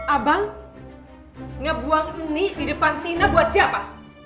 abang ngebuang mie di depan tina buat siapa